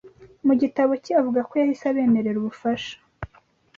mu gitabo cye avuga ko yahise abemerera ubufasha